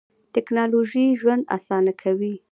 تکنالوژي ژوند آسانه کوي.